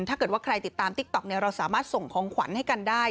ถ้าเกิดว่าใครติดตามติ๊กต๊อกเราสามารถส่งของขวัญให้กันได้